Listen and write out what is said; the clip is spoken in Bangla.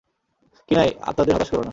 কিনাই, আত্মাদের হতাশ করো না।